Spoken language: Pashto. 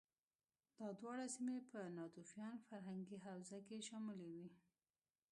دا دواړه سیمې په ناتوفیان فرهنګي حوزه کې شاملې وې